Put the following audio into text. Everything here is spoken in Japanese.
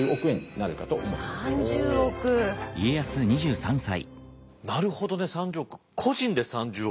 なるほどね３０億。